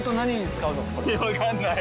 分かんない。